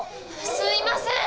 すいません！